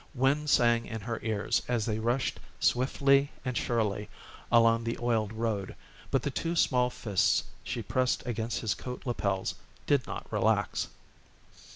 Wind sang in her ears as they rushed swiftly and surely along the oiled road, but the two small fists she pressed against his coat lapels did not relax.